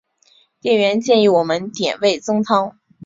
店员建议我们点味噌汤